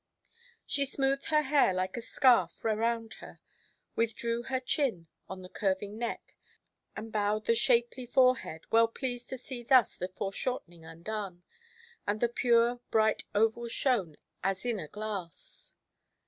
She smoothed her hair like a scarf around her, withdrew her chin on the curving neck, and bowed the shapely forehead, well pleased to see thus the foreshortening undone, and the pure, bright oval shown as in a glass.